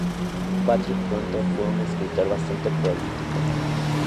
Patrick Brontë fue un escritor bastante prolífico.